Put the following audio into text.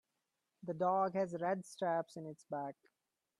The dog has red straps in its back.